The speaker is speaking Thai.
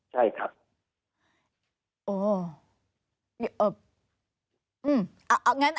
ใช่ครับ